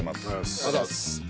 ありがとうございます。